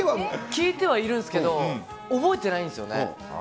聞いてはいるんですけれども、覚えてないんですよね。